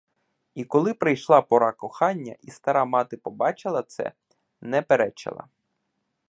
І коли прийшла пора кохання і стара мати побачила це, — не перечила.